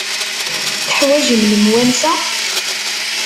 Teḥwajem lemwansa?